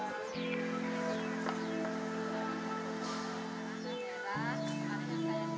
kami juga merasa betul